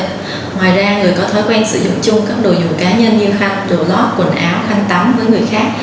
ngoài ra người có thói quen sử dụng chung các đồ dùng cá nhân như khanh đồ góp quần áo khăn tắm với người khác